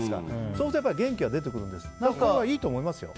そうすると元気が出てくるんです。